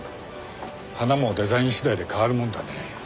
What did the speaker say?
花もデザイン次第で変わるもんだね。